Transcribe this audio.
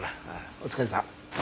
お疲れさん。